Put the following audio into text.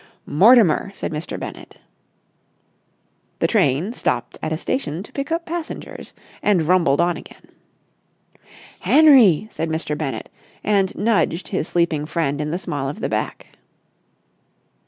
"Mortimer," said Mr. Bennett. The train stopped at a station to pick up passengers, and rumbled on again. "Henry!" said Mr. Bennett, and nudged his sleeping friend in the small of the back.